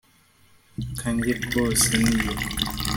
kanjye kose niyo